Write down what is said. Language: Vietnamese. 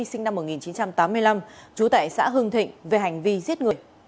sinh năm một nghìn chín trăm tám mươi năm trú tại xã hưng thịnh về hành vi giết người